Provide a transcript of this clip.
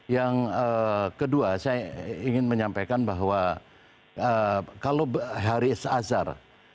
yang kedua saya ingin menyampaikan bahwa kalau haris azhar